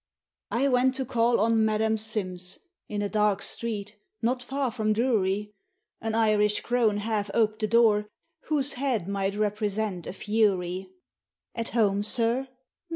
I went to call on Madame Sims, In a dark street, not far from Drury; An Irish crone half oped the door. Whose head might represent a fury. "At home, sir?"